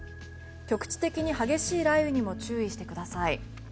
局地的に激しい雷雨にも注意してください。